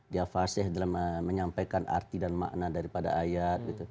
dia faseh dalam menyampaikan arti dan makna daripada ayat